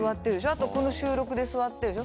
あとこの収録で座ってるでしょ。